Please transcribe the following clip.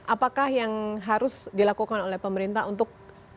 apakah yang harus dilakukan oleh pemerintah untuk